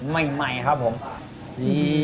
ใหม่ครับผมดี